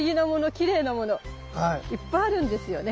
きれいなものいっぱいあるんですよね。